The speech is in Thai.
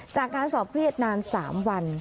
จากการสอบเครียดนาน๓วัน